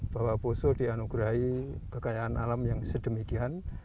bahwa poso dianugerahi kekayaan alam yang sedemikian